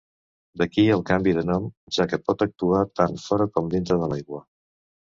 D'aquí el canvi de nom, ja que pot actuar tant fora com dintre de l'aigua.